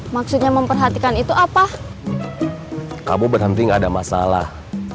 maksudnya memperhatikan itu apa kamu berhenti gak ada masalah